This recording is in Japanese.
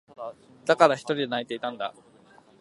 だから、ひとりで泣いていたんだ。